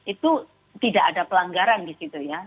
itu tidak ada pelanggaran di situ ya